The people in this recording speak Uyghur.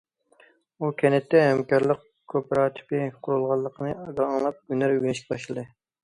ئۇ كەنتتە ھەمكارلىق كوپىراتىپى قۇرۇلغانلىقىنى ئاڭلاپ ھۈنەر ئۆگىنىشكە باشلىدى.